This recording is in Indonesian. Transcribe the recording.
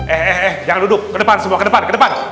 eh eh jangan duduk ke depan semua ke depan ke depan